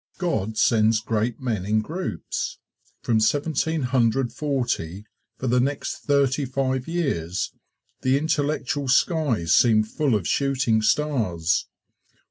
God sends great men in groups. From Seventeen Hundred Forty for the next thirty five years the intellectual sky seemed full of shooting stars.